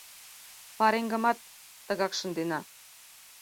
— Пареҥгымат тыгак шындена!